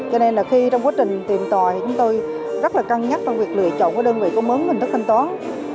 cho nên là khi trong quá trình tìm tòi thì chúng tôi rất là căng nhắc về việc lựa chọn đơn vị có mớ hình thức thanh toán